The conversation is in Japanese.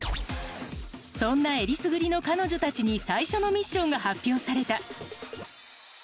そんなえりすぐりの彼女たちに最初のミッションが発表された。